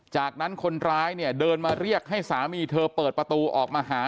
จากนั้นคนร้ายเนี่ยเดินมาเรียกให้สามีเธอเปิดประตูออกมาหา